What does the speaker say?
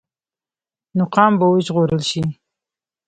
نو قام به وژغورل شي.